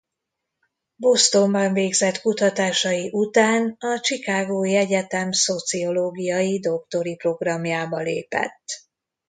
Bostonban végzett kutatásai után a Chicagói Egyetem szociológiai doktori programjába lépett.